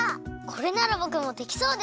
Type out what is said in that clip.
これならぼくもできそうです！